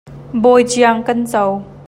Bawi ciang kan co.